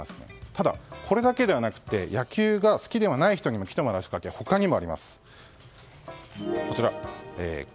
ただ、これだけではなくて野球が好きではない方にも来てもらう仕掛けは他にもあります。